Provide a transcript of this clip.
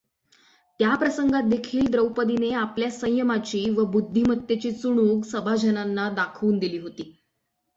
त्या प्रसंगातदेखील द्रौपदीने आपल्या संयमाची व बुद्धिमत्तेची चुणूक सभाजनांना दाखवून दिली होती.